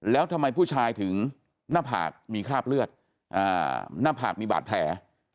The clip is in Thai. แล้วทำไมผู้ชายถึงหน้าผากมีคราบเลือดหน้าผากมีบาดแผล